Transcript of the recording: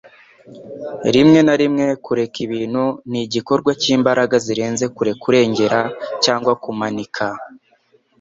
Rimwe na rimwe kureka ibintu ni igikorwa cy'imbaraga zirenze kure kurengera cyangwa kumanika.”